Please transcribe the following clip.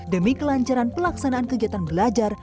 demi kelancaran pelaksanaan kegiatan belajar